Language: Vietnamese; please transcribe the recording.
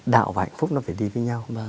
đạo và hạnh phúc nó phải đi với nhau